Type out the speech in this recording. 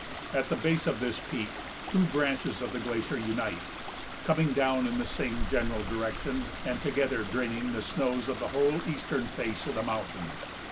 At the base of this peak two branches of the glacier unite, coming down in the same general direction and together draining the snows of the whole eastern face of the mountain.